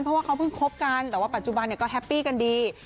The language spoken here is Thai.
เพราะว่าเขาเพิ่งคบกันแต่ว่าปัจจุบันก็แฮปปี้กันดี